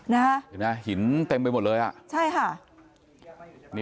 นะฮะเห็นไหมหินเต็มไปหมดเลยใช่ค่ะทีนี้